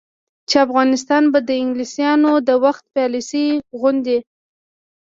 چې افغانستان به د انګلیسانو د وخت پالیسي غوندې،